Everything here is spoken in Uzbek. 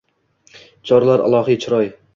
Chorlar ilohiy chiroy.